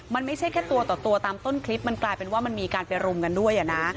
มันไม่ใช่แค่ตัวต่อตัวตามต้นคลิปมันกลายเป็นว่ามันมีการไปรุมกันด้วยนะ